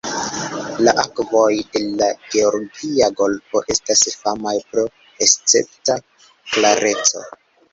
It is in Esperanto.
La akvoj de la Georgia Golfo estas famaj pro escepta klareco.